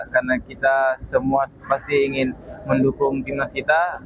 karena kita semua pasti ingin mendukung timnas kita